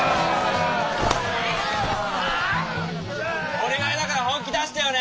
お願いだから本気出してよね。